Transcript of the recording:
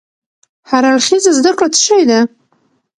هر اړخيزه زده کړه څه شی ده؟